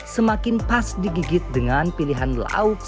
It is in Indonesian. semakin pas digigit dengan pilihan lauk